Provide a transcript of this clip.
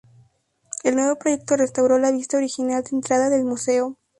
El nuevo proyecto restauró la vista original de entrada del Museo.